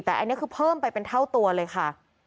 แต่อันนี้คือเพิ่มไปเป็นเท่าตัวเลยค่ะ